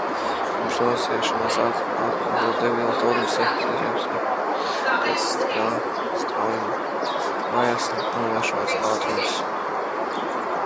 Pirms nosēšanās atlikušais degvielas daudzums sasniedza apakšējo slieksni, pēc kā strauji palielinājās nolaišanās ātrums.